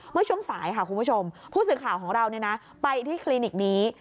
เมื่อช่วงสายค่ะคุณผู้ชมผู้สื่อข่าวของเราไปที่คลินิกนี้